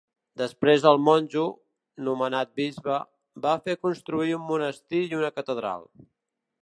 Després el monjo, nomenat bisbe, va fer construir un monestir i una catedral.